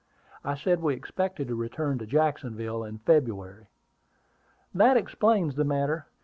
I said we expected to return to Jacksonville in February." "That explains the matter.